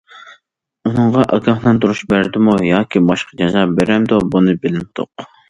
ئۇنىڭغا ئاگاھلاندۇرۇش بەردىمۇ، ياكى باشقا جازا بېرەمدۇ، بۇنى بىلمىدۇق.